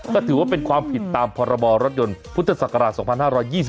ก็ถือว่าเป็นความผิดตามพรบรถยนต์พุทธศักราช๒๕๒๒